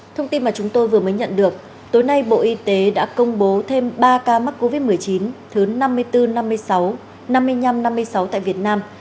thông tin mà chúng tôi vừa mới nhận được tối nay bộ y tế đã công bố thêm ba ca mắc covid một mươi chín thứ năm mươi bốn năm mươi sáu năm mươi năm năm mươi sáu tại việt nam